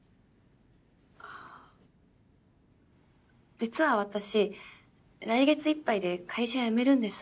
実は私来月いっぱいで会社辞めるんです。